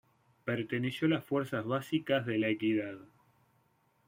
Perteneció a las Fuerzas Básicas de La Equidad.